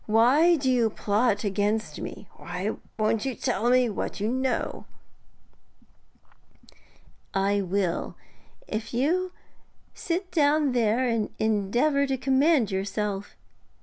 Why do you plot against me? Why won't you tell me what you know?' 'I will, if you sit down there and endeavour to command yourself.